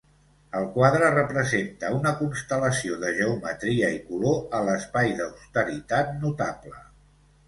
El quadre representa una constel·lació de geometria i color a l'espai d'austeritat notable.